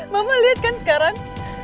mama lihat kan sekarang